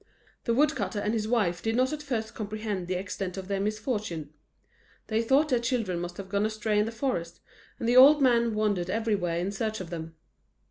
The woodcutter and his wife did not at first comprehend the extent of their misfortune. They thought their children must have gone astray in the forest, and the old man wandered everywhere in search of them.